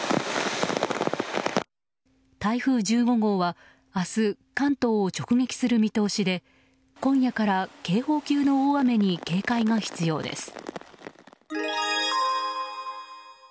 台風１５号は明日、関東を直撃する見通しで今夜から警報級の大雨に警戒が必要です。